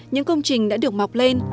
những công trình đã được mọc lên